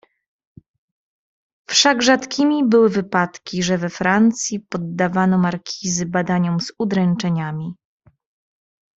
"Wszak rzadkimi były wypadki, że we Francji poddawano markizy badaniom z udręczeniami."